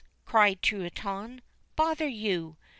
' cried Truitonne ; 'bother you